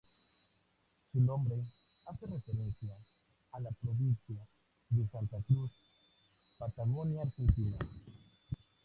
Su nombre hace referencia a la provincia de Santa Cruz, Patagonia argentina.